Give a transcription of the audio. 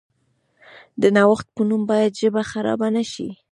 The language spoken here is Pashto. د نوښت په نوم باید ژبه خرابه نشي.